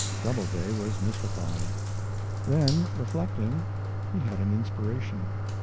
Doubleday was mystified; then, reflecting, he had an inspiration.